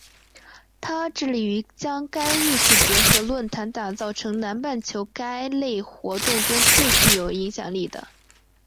它致力于将该艺术节和论坛打造成南半球该类活动中最具影响力的。